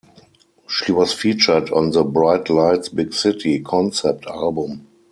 She was featured on the "Bright Lights, Big City" concept album.